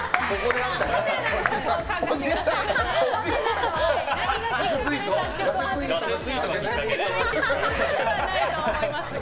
それはないと思いますが。